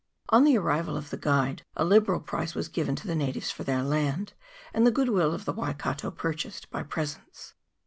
On the arrival of the Guide a liberal price was given to the natives for their land, and the good will of the Waikato purchased by pre sents.